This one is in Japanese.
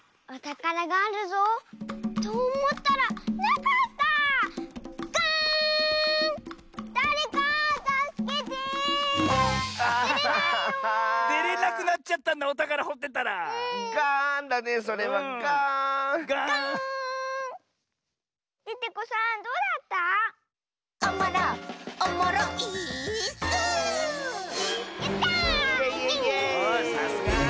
おっさすが。